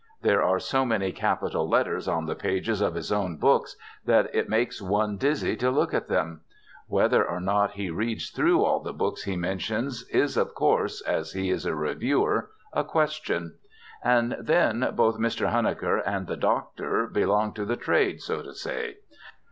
There are so many capital letters on the pages of his own books that it makes one dizzy to look at them. Whether or not he reads through all the books he mentions is of course (as he is a reviewer) a question. And, then, both Mr. Huneker and the Doctor belong to the trade, so to say.